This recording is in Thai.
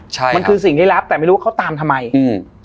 ใช่มันคือสิ่งที่รับแต่ไม่รู้ว่าเขาตามทำไมอืม